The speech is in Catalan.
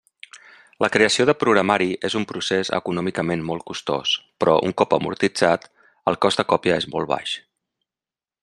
La creació de programari és un procés econòmicament molt costós però, un cop amortitzat, el cost de còpia és molt baix.